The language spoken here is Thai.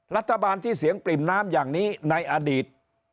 รัฐบาลที่เสียงปริ่มน้ำอย่างนี้ในอดีต